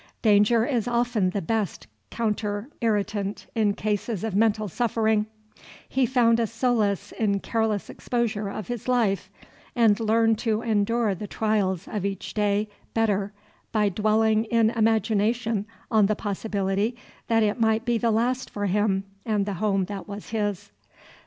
Danger is often the best counterirritant in cases of mental suffering; he found a solace in careless exposure of his life, and learned to endure the trials of each day better by dwelling in imagination on the possibility that it might be the last for him and the home that was his.